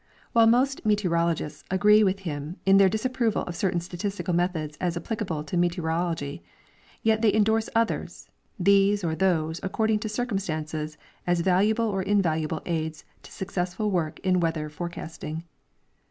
While most meteorologist^ agree with him in their disapproval of certain statistical methods as applicable to meteorology, yet they endorse others, these or those according to circumstances, as valuable or invaluable aids to successful work in weather forecasting.